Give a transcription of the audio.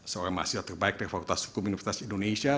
seorang mahasiswa terbaik dari fakultas hukum universitas indonesia